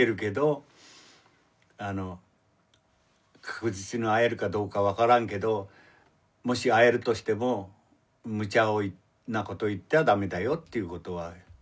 確実に会えるかどうか分からんけどもし会えるとしてもむちゃなことを言っては駄目だよということは。